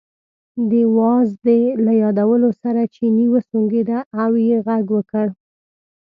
د وازدې له یادولو سره چیني وسونګېده او یې غږ وکړ.